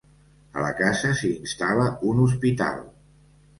A la casa s'hi instal·la un hospital.